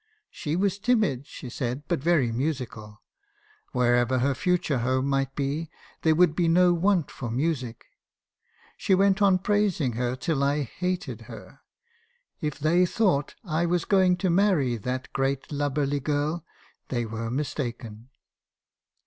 'She was timid,' she said, ' but very musical. "Wherever her future home might be , there would be no want of music* She went on praising her till I hated her. If they thought I was going to marry that great lub berly girl , they were mistaken.